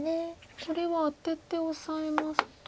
これはアテてオサえますと。